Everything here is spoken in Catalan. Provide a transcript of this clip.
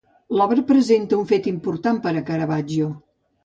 L'obra representa un fet important per a Caravaggio.